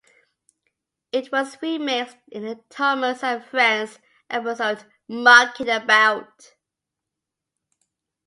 It was remixed in the "Thomas and Friends" episode Mucking About.